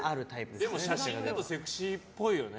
でも写真だとセクシーっぽいよね